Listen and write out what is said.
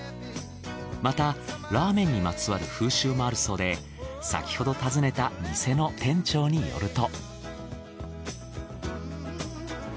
またラーメンにまつわる風習もあるそうで先ほど訪ねた店の店長によると。